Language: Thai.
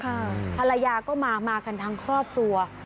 ภรรยาก็มามากันทั้งครอบครัว